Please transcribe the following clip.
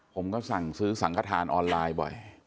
ผมก็ซื้อสังฆาฐานออนไลน์บ่อย